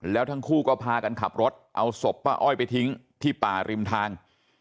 แล้วทั้งคู่ก็พากันขับรถเอาศพป้าอ้อยไปทิ้งที่ป่าริมทาง